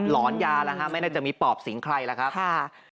หอนยาแล้วฮะไม่น่าจะมีปอบสิงใครแล้วครับ